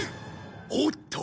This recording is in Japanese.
おっと！